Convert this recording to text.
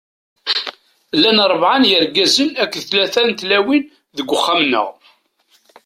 Llan ṛebɛa n yirgazen akked tlata n tlawin deg uxxam-nneɣ.